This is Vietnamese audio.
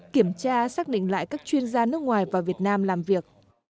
kiểm tra xác định lại các chuyên gia nước ngoài và việt nam làm việc